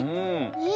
えっ！